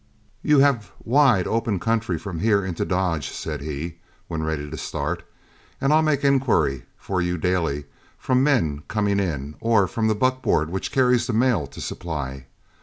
"You have a wide, open country from here into Dodge," said he, when ready to start, "and I'll make inquiry for you daily from men coming in, or from the buckboard which carries the mail to Supply.